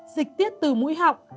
dịch tiết từ mũi học